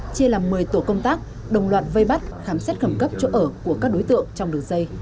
chia làm một mươi tổ công tác đồng loạt vây bắt khám xét khẩn cấp chỗ ở của các đối tượng trong đường dây